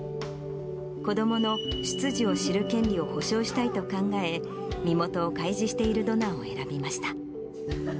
子どもの出自を知る権利を保障したいと考え、身元を開示しているドナーを選びました。